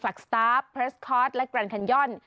แฟล็กสตาร์ฟเพรสคอร์สและกรันคันย่อน